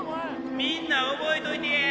「みんな覚えといてやぁ。